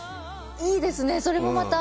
いいですね、それもまた。